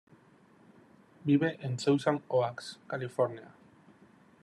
Vive en Thousand Oaks, California.